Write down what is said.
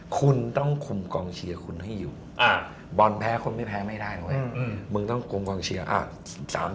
คุณต้องคุมกองเชียร์คุณให้อยู่บอลแพ้คุณไม่แพ้ไม่ได้เว้ยมึงต้องคุมกองเชียร์